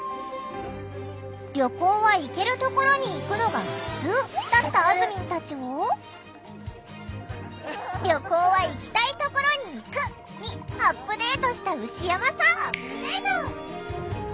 「旅行は行けるところに行くのがふつう」だったあずみんたちを「旅行は行きたいところに行く」にアップデートした牛山さん。